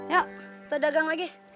yuk kita dagang lagi